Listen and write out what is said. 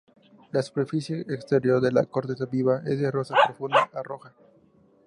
La superficie exterior de la corteza viva es de rosa profundo a roja.